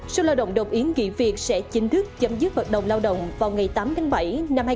số lao động đồng ý nghĩ việc sẽ chính thức chấm dứt hợp đồng lao động vào ngày tám bảy hai nghìn hai mươi ba